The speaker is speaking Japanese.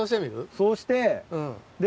そうしてで。